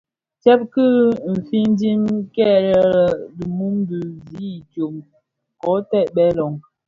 Tsèb ki fiñdim kil è dhi mum dhi zi idyōm kō kèbtèè loň.